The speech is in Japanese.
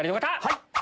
はい！